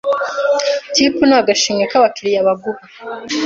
tipu ni agashimwe k’abakiriya baguha